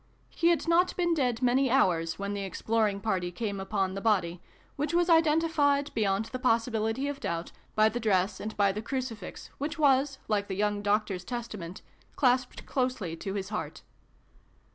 He had not been dead many hours when the exploring party came 2ipon the body, which was identified, beyond the possi bility of doubt, by the dress, and by the crucifix, which was, like the young Doctor s Testament, clasped closely to his heart.